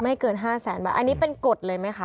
ไม่เกิน๕๐๐๐๐๐บาทอันนี้เป็นกฎเลยไหมคะ